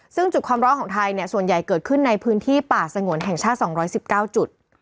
ซึ่งจุดความร้อนของไทยเนี่ยส่วนใหญ่เกิดขึ้นในพื้นที่ป่าสงวนแห่งชาติ๒๑๙จุด